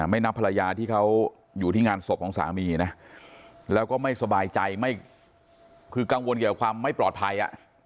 ไม่นับภรรยาที่เขาอยู่ที่งานศพของสามีนะแล้วก็ไม่สบายใจไม่คือกังวลเกี่ยวกับความไม่ปลอดภัย